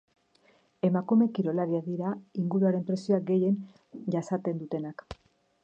Emakume kirolariak dira inguruaren presioa gehien jasaten dutenak.